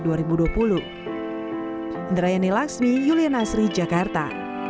saya rayani lakshmi yulia nasri jakarta